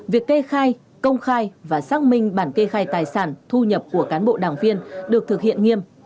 việc kê khai công khai và xác minh bản kê khai tài sản thu nhập của cán bộ đảng viên được thực hiện nghiêm